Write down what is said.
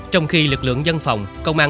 trong khi lực lượng dân phòng công an